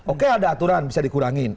oke ada aturan bisa dikurangin